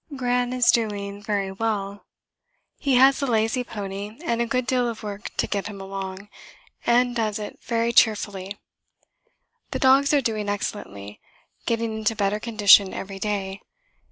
Gran is doing very well. He has a lazy pony and a good deal of work to get him along, and does it very cheerfully. The dogs are doing excellently getting into better condition every day.